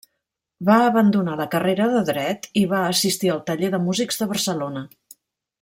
Va abandonar la carrera de Dret i va assistir al Taller de Músics de Barcelona.